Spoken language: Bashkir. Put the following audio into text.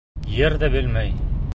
Ер ҙә белмәй.